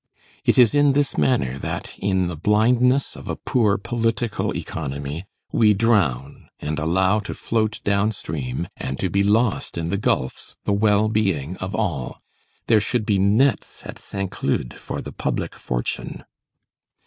It is in this manner that, in the blindness of a poor political economy, we drown and allow to float downstream and to be lost in the gulfs the well being of all. There should be nets at Saint Cloud for the public fortune.